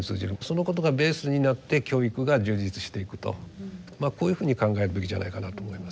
そのことがベースになって教育が充実していくとこういうふうに考えるべきじゃないかなと思います。